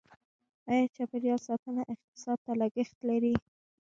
آیا چاپیریال ساتنه اقتصاد ته لګښت لري؟